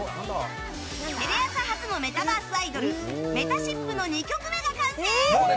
テレ朝初のメタバースアイドルめたしっぷの２曲目が完成！